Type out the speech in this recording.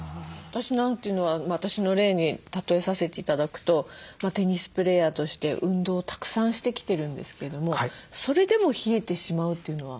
私なんていうのは私の例に例えさせて頂くとテニスプレーヤーとして運動をたくさんしてきてるんですけどもそれでも冷えてしまうというのは。